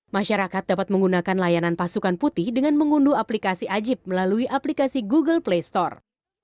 masyarakat dapat menggunakan layanan pasukan putih dengan mengunduh aplikasi ajib melalui aplikasi google play store